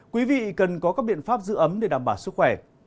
quý vị cần có các biện pháp giữ ấm để đảm bảo sức khỏe